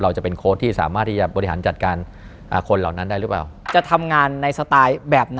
เราจะเป็นโค้ดที่สามารถที่จะบริหารจัดการคนเหล่านั้นได้หรือเปล่า